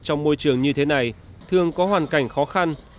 trong môi trường như thế này thường có hoàn cảnh khó khăn